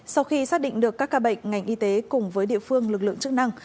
sau khi xác định được các ca bệnh ngành y tế cùng với địa phương lực lượng chức năng